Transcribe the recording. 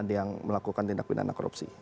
yang melakukan tindak pinjaman korupsi